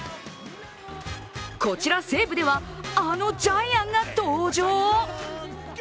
こちら西武ではあのジャイアンが登場！？